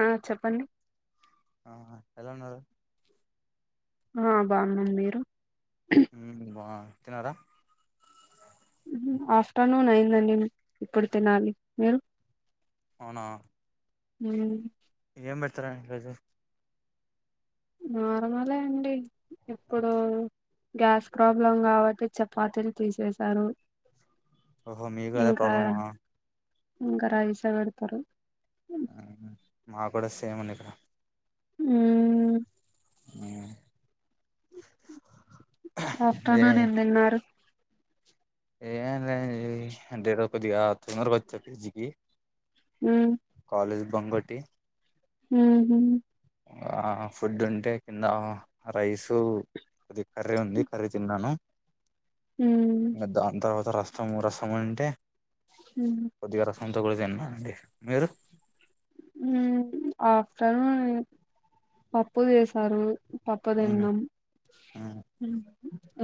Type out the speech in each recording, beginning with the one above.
ఆ చెప్పండి హలోన్నారురు ఆ బాగుమ్మ మీరు వా ఇతున్నారుర ఆఫ్టర్నూన్ అయిందండి ఇప్పుడు తినాలి మీరు అవున మ్మ్ ఏం పెడతారండి ఈరోజు నార్మలే అండి ఇప్పుడు గ్యాస్ ప్రాబ్లం కాబట్టి చపాతీలు తీసేసారు ఓహో మీది కూడా అదే ప్రాబ్లమా ఇంగ రైస్ ఏ పెడతారు మా కూడా సేమ్ని ఇక్కడ మ్మ్మ్ మ్మ్ ఏ ఆఫ్టర్నూన్ ఏం తిన్నారు ఏం లే అంటే ఈరోజు కొద్దిగా తొందరగా వచ్చా పీ జీ కి మ్మ్ బంగోటి మ్మ్ హు ఆ ఫుడ్ ఉంటే కింద రైస్ కొద్దిగా కర్రీ ఉంది కర్రీ తిన్నాను మ్మ్ ఇంగ దాన్ తర్వాత రస్ చము రసముంటే మ్మ్ కొద్దిగా రసం తో కూడా తిన్న అండి మీరు మ్మ్ ఆఫ్టర్నూన్ ఇగ పప్పు చేసారు పప్పు ఉమ్, దిన్నం ఉమ్,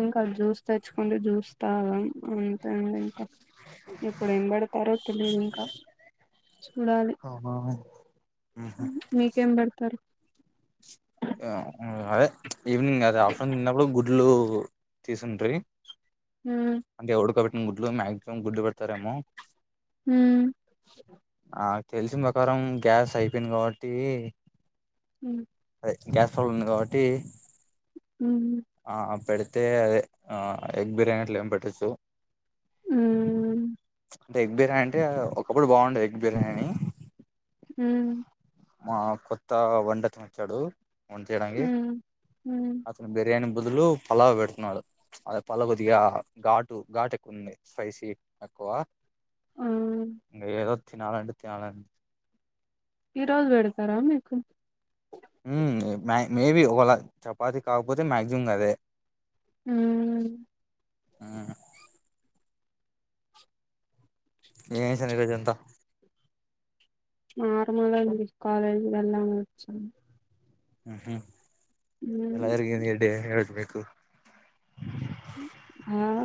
ఇంకా జ్యూస్ తెచ్చుకుంటే జ్యూస్ తాగం మ్మ్ ఉంది ఇంకా ఇప్పుడు ఏం పెడతారో తెలియదు ఇంకా చూడాలి అవునా ఉహు. మీకేం పెడతారు గా మ్మ్ అదే ఈవినింగ్ అద ఆఫటర్న్ అప్పుడు గుర్ డ్లు తీసుంటయి మ్మ్ అంటే ఉడకబెట్ గుడ్లు మాక్సిమం గుడ్డు పెడతారేమో మ్మ్ నాకు తెలిసిన ప్రకారం గ్యాస్ అయిపోయింది కాబట్టి మ్మ్ అదే గ్యాస్ ప్రాబ్లం ఉంది కాబట్టి మ్మ్ ఆ అ పెడు అయితే అదే ఆ ఎగ్ బిర్యానీట్లు ఏమి పెట్టొచ్చు మ్మ్ అంటే ఎగ్ బిర్యానీ అంటే ఒకప్పుడు బాగుండేది ఎగ్ బిర్యానీ హ మా కొత్త వంటతను వచ్చాడు వంట చేయడానికి మ్మ్ మ్మ్ అతను బిర్యానీ బదులు పలావు పెడుతున్నాడు అదె పాలావ్ కొద్దిగా ఘాటు ఘాటు ఎక్కువుంది స్పైసీ ఎక్కువ ఆ ఏదో తినాలంటడి తేవడానికి ఈ రోజు పెడతారా మీకు మ్... మేబి ఒకేల చపాతి కాకపోతే మాక్సిమం ఇంక అదే మ్ ఆ ఏం చెసర్ ఈ రోజంత నార్మల్ ఏ నండి కాలేజ్ కి వెళ్దామని వచ్చాను మ్ హుమ్మ్ ఎలా జరిగింది [unintelligible] క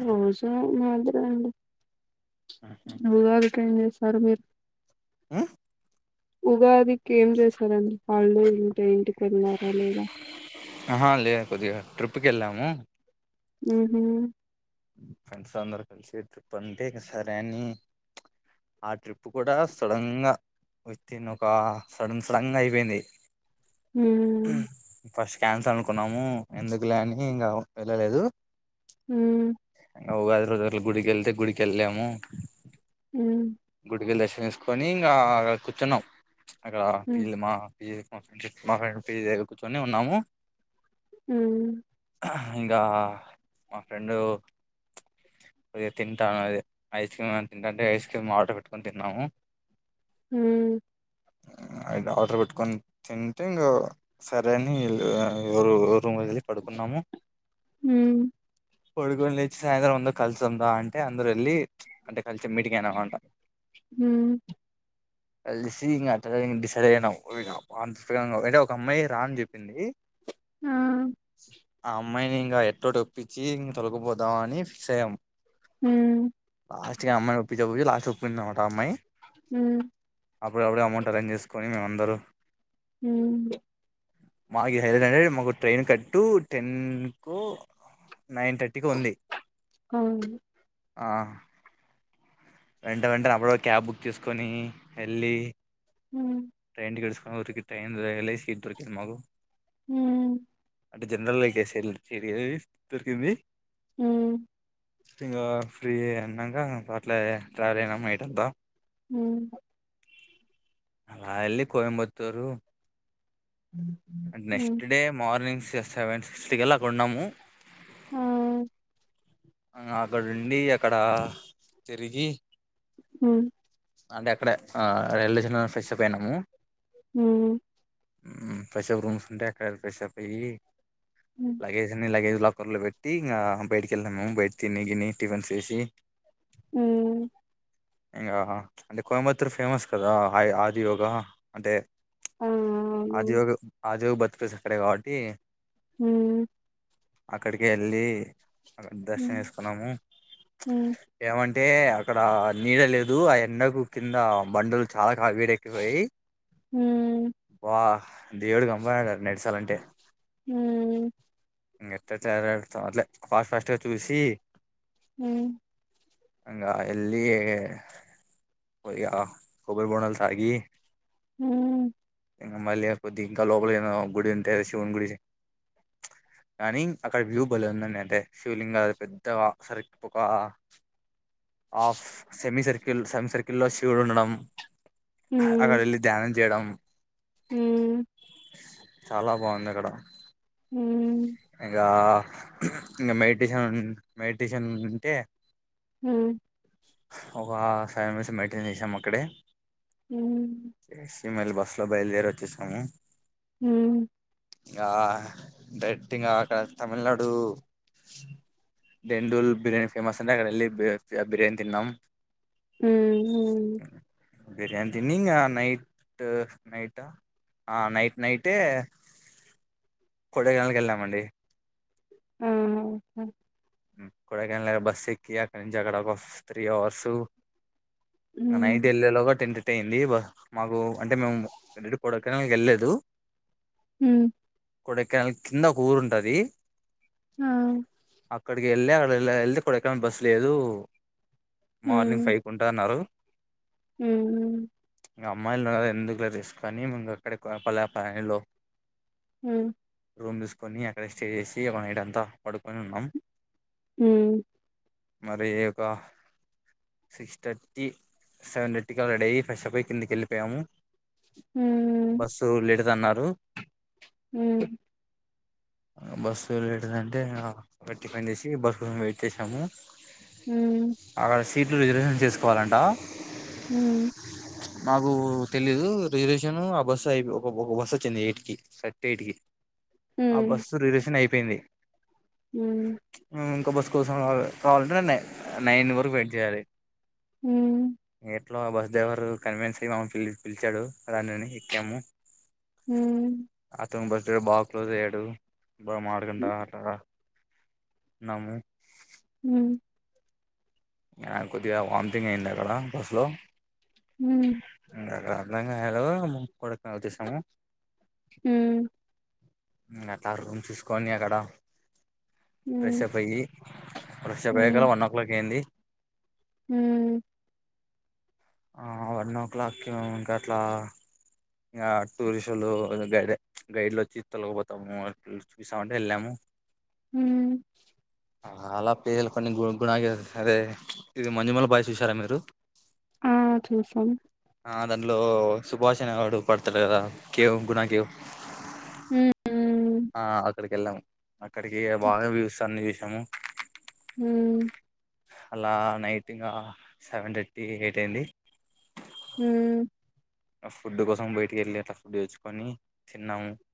రోజూ మాత్రం ఉహు [unintelligible] సర్ మీరు ఆ ఉగాదికి ఏం చేశారండి వాళ్ళు ఇంటే ఇంటికి వెళ్ళారా లేదా ఆహా లేదు కొద్దిగా ట్రిప్ కి వెళ్ళాము ఉహూ ఫ్రెండ్స్ అందరుూ కలిసి ట్రిప్ అంటే సరే అని ఆ ట్రిప్ కూడా సడన్ గా విత్ఇన్ ఒక సడన్ సడన్ గా అయిపోయింది ఆ మ్మ్ [unintelligible] ఫస్ట్ క్యాన్సల్ అనుకున్నాము ఎందుకులే అని ఇంకా వెళ్ళలేదు మ్ ఉగాది రోజు అట్లా గుడికెళ్తే గుడికెళ్లేము మ్మ్ గుడికెల్లెసి సుకొని ఇంకా కూర్చున్నాం అక్కడ మ్మ్ [unintelligible] మా మా ఫ్రెండ్ పీజీ దగ్గర కూర్చొని ఉన్నాము మ్ ఇంకా మా ఫ్రెండు తింటా అదె ఐస్ క్రీమ్ తింటాంటే ఐస్ క్రీమ్ ఆడ ర్ పెట్టుకొని తిన్నాము మ్.... అయితే ఆర్డర్ పెట్టుకొని తింటే ఇంకా సరే అని ఈళ్ళు ఎవరు మొత్తమెల్లి పడుకున్నాము హ్మ్ పడుకోనిలేచ్చి సాయంత్రం అందరం కలిసెళ్దము అంటే అందరూ వెళ్లి అంటే కలిసి మీటింగు అయినామంట మ్ కలిసి ఇంకా అట్టైతె డిసైడ్ అయినాం ఇక అంటే ఒక అమ్మాయి రాన్ అని చెప్పింది ఆ ఆ అమ్మాయిని ఇంకా ఎటోటిొప్పించి ఇం తొలకుపోదాం అని ఫిక్స్ అయ్యాము హ స్ట్కి అమ్మాలాట్ పన్న ఒకట అమ్మాయి హ అప్పుడ అప్పుడే అమౌంట్ అరేంజ్ చేసుకొని మేమందరూ హ మాకుది హై హండ్రెడ్ మాకు ట్రైన్ కట్టు టెన్కు నైన్ థర్టీకి ఉంది అవును ఆ వెంట వెంటనేప్పుడు క్యాబ్ బుక్ చేసుకొని వెళ్ళి హ్మ్ ట్రైన్కట్సు గంద ఎల్ ఐసి ఇరు కెల్ మగు హ అంటే జనరల్ గాస చే దొరికింది హ ఇంకా ఫ్రీ అన్నాక అట్లే ట్రావెల్ అయనాయైట ఎంతా హ అలా వెళ్ళ కోయంబత్తూరు అంటే హ్మ్ నెక్స్ట్ డే మార్నింగ్స్ క్స్ సెవెన్ సిక్స్త్కి ఎలా కొన్నాము ఆ ఆ అక్కడ ఉండి అక్కడ తిరిగి హ అంటే అక్కడ రైల్వేషన్ ఫ్రెష్ అప్ అయినాము హ పైా వం ఫంటక్కడ పైసా పై హ్మ్ గేస నిే కరలో పెట్టి ఇంకా బయటకి వెళ్ళాముేము బయట తినిగిని టిఫిన్ వేసి హ ఇంకా అంటే కోయబత్తూర్ ఫేమస్ కదా ఆ ఆదియోగ అంటే ఆ అవును ఆది ఒక ఆది చక్కరే కాబట్టి హ అక్కడికి వెళ్ళలి అ దర్శనం హ్మ్ చేసుకున్నాము హ్మ్ ఏమంట అంటతే అక్కడ నీడ లేదు ఆ ఎండ కింద బండలు చాలా సవిడకపోయి వాహ్ దేవుడు గమ్బడారు నెడుసాల అంటే హ ఇట్రా అట్ ఫస్ట్ ఫస్ట్గా చూసి హ హంగా ఎలి కొబరి బోణల్ తాగి హ ఇంకా మళ్ళీ కొద్ది ఇంకా లోపలి గుడి ఉంటే శివుని గుడి కానీ అక్కడ వ్యూ బలే ఉందండి అంటే శివలింగ పెద్ద సర్ ఒక half semi circle semi circle లో శివుడు ఉండడం అక్కడళ ధ్యానంద చేడం హ చాలా బాగుంది అక్కడ హ ఇంకా మెడిటేషన్ మెడిటేషన్ ఉంటే హ ఒక ఫ మెయిటైన్ చేసాం అక్కడే హ ఈమయిల్ బస్ లో బయలుదేర వచ్చేసాము హ ఇంకా డైరెక్ట్ ఇంకా అక్కడ తమిళనాడు డెండూల్ బిర్యానీ ఫేమస్ అంటే అక్కడ వెళ్ళి బిర్యానీ తిన్నాం హ్మ్ హ్మ్ అ బిర్యాంతినింగ్ నైట్ నైట్ నైట్ నైట కోడగా నకి వెళ్ళామండి ఆ కొడక బస్ సికి అక్క జాక్కడఫ్ త్రీ అవర్సు హ్మ్ నైట్ ఎల్లో ఒక టె ట్టంది బ మాకు అంటే మేము [unintelligible] ఎక్కనకి వెళ్ళదు హ కొడ కనాల్ కింద ఒక ఊరు ఉంటది ఆ అక్కడికి వెళ్ళ అక్కడ ఎల్ది కొడక బస్ లేదు మార్నింగ్ ఫైవ్ కుంటా అన్నారు హ ఇంకా అమ్మాయిలు ఎందుకులో తీసుని ఇం అక్కడ పలా పనిలో హ రూమ్ తీసుకొని అక్కడే స్టే చేసి ఒక నైట్ అంతా పడుకొని ఉన్నాం హ మరి ఒక సిక్స్ థర్టీ సెవెన్ థర్టీగా రెడీ అయ్యి ఫెస్పోయి కిందికి వెళ్ళిపోయాము హ్మ్ బస్ లేట్ అదన్నారు హ బస్ ఫేవరెట్దంటీ టిఫన్ చేసి బస్ కోసం వెయిట్ చేసాము హ అక్కడ సీట్లు రిజర్వేషన్ చేసుకోవాలంట హమ్ నాకు తెలీదు రిజర్వేషన్ ఆ బస్ అయి ఒక ఒక బస్ వచ్చింది ఎయిట్ కి కరెక్ట్ ఎయిట్ కి ఆ బస్ రిలేషన్ అయి చెప్పింది హమ్ ఒక బస్సు కోసం కావాలంటే న నైన్ వరకు వెయిట్ చేయాలి హ అట్లో బస్ డైవర్ కన్వన్స్ అయి మమ్మ పి పిలిచాడు దానిన ఎక్కాము హ అతను బస్ బాగా క్లోజ్ అయ్యాడు బా మాడుగుంట అట్లా నామ హ్మ్ ఇ కొద్దిగా వార్మిటింగ్ అయింది అక్కడ బస్సులో హ హలో కొడకుతసాము హ అత రూమ్ చూసుకోంని అక్కడ ఫ్రెష్ హ్మ్ అప్ అయి ఫ్రెష్ అప్ అయెకల్ ఓ క్లాక్ అ్యంది హ ఆ వన్ ఓ క్లాక్ ఇంకా అట్లా ఇంకా టూరిస్లు గైడ్ గైడ్లు వచ్చి తొలగిపోతాము చూసామంటే వెళ్ళాము హ అ అలా పేజలు కొన్ని గు గుణగి అదే ఇది మజుమూళ బాయ్స్ చూసారా మీరు ఆ చూసాం ఆ దానిట్లో సుభాషణ అనే వాడు పడుత త కేవ గుణగ కేవ్ హ ఆ అక్కడికి వెళ్ళాము అక్కడికి బాగా వ్యూస్ అన్ని చూసాము హ అలా నైట్గా సెవెన్ థర్టీ ఎయిట్ అయింది హ ఫుడ్ కోసం బయటిక వెళ్ళి అట్లా ఫుడ్ వచ్చుకొని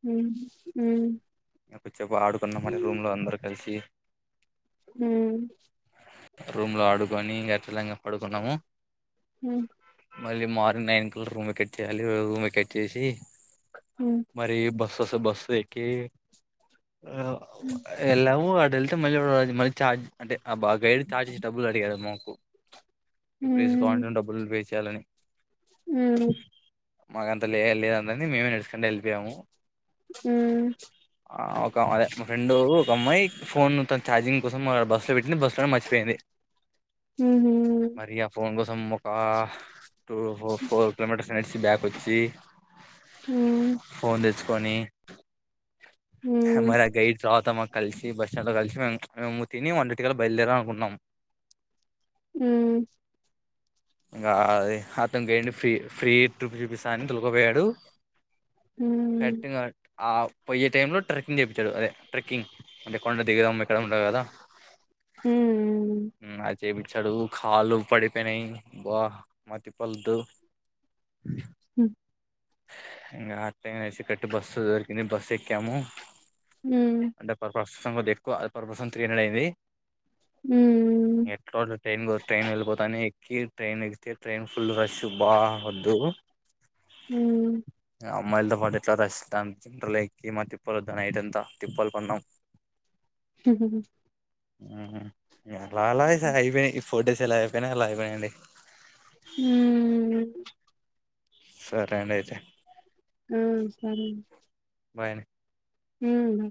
హ హమ్ అ చెపు ఆడుకున్నా మ రూమ్ లో అందరు కలిసి హ్మ్. రూమ్ లో ఆడుకొని గరిలంగా అ మల్లి మార్నింగ్ నైన్ మట్ చేయాలి ఉమె కట్ చేేసి హ్మ్. మరి బస్ తస బస్సెక్కి ఆ ఎల్లాము అడల్ అ మళ్ళీది మల్లి చార్జ్ అంటే అబా గైడ్ ఛార్జ్ డబు అడిగాదమో ఇప్పులీసు కావంటం డబ్బులు పే చేయాలని ఉ మగ అంతలి ఎదంద మ మీేెా హల్ప్ అము హ్మ్. ఒక అదే మా ఫ్రెండు ఒమ్మాయి ఫోన్ ను త చార్జింగ్ కోసం బస్లు పెట్టి బస్ట్ మచి పోయింది హుహు. మరి ఆ ఫోన్ కోసం ఒక టూ ఫో ఫోర్ నచ బ్యాక్ వచ్చి హ్మ్. ఫోనిచ్ కొని అ మారా గైడ్ రాత మా కలిసి బస్ స్టాండ్ కలిసి మ మేము తిని వంటిటిగా బయలుదేరం అనుకున్నాము ఉ ఇకా అద అ తంకడి ఫ్రీ ఫ్రీ టూ చూపిస్తా అని తొలకపోయాడు హ్మ్. హెటింగ్ట్ ఆ పోయే టై లో ట్రెక్కింగ్ చెపతాడు అదే ట్రెక్కింగ్ అంటే కొండ దిగుదాము ఎక్కడ ఉండవు కదా హ ఉమ్, అది చేపించాడు కాలు పడిపోయినాయి బ మతిపలదు అ హ ఇం అట్టసి కట్టి బస్సు దొరికింది బస్ ఎక్కము హ ఎక్కువ పర్సన్ త్రీ హండ్రెడ్ అయింది హ్మ్. హ్మ్. ఎట్లా ట్రైన్ ట్రైన్ వెళ్ళిపోతానే కి ట్రైన్ ఎగితే ట్రైన్ ఫుల్ రష్ బా వద్దు హ అమ్మాయిలతో పాట ఎట్లా ర జలే క మా తిప్పల్ద్దా నైట్ంతా టిిప్పలు పడిం హ ఆ మలాాల స ఇ ఫోటోస్ ఎలా అయిపోయినా అలా అపోయియండి హ సరే అండి అయితే ఆ సరే బయనే హ